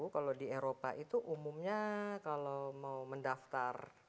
kalau di eropa itu umumnya kalau mau mendaftar